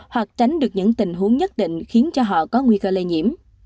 hoặc tránh được những tình huống nhất định khiến cho họ có nguy cơ lây nhiễm